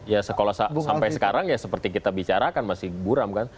ya sekolah sampai sekarang ya seperti kita bicarakan masih buram kan